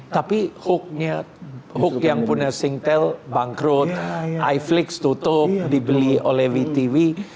tapi hook nya hook yang punya singtel bangkrut iflix tutup dibeli oleh vtv